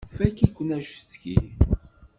Fakk-iken acetki!